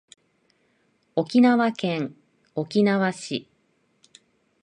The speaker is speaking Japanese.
沖縄県沖縄市